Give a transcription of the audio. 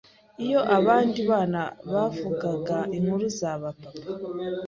iyo abandi bana bavugaga inkuru z’aba papa